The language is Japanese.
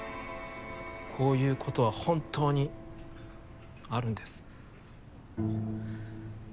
こういうことは本当にあるんです。